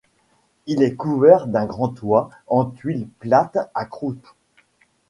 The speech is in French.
Il est couvert d'un grand toit en tuiles plates à croupes.